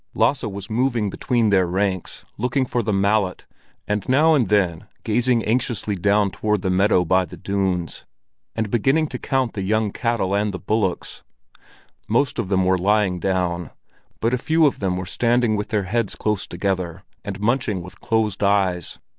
Lasse was moving between their ranks, looking for the mallet, and now and then gazing anxiously down towards the meadow by the dunes, and beginning to count the young cattle and the bullocks. Most of them were lying down, but a few of them were standing with their heads close together, and munching with closed eyes.